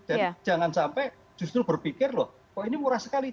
dan jangan sampai justru berpikir loh kok ini murah sekali